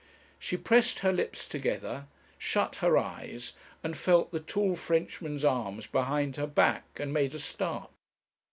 She pressed her lips together, shut her eyes, and felt the tall Frenchman's arms behind her back, and made a start.